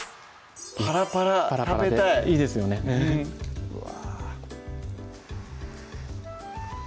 パラパラ食べたいいいですよねうわ